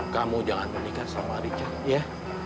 kamu jangan menikah sama richard ya